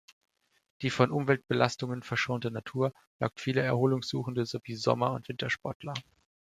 Die von Umweltbelastungen verschonte Natur lockt viele Erholungssuchende sowie Sommer- und Wintersportler.